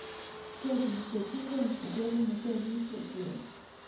这仅是清政府规定的最低数字。